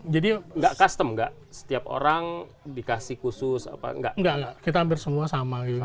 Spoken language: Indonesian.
jadi enggak custom enggak setiap orang dikasih khusus apa enggak enggak kita hampir semua sama